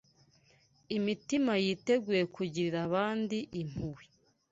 imitima yiteguye kugirira abandi impuhwe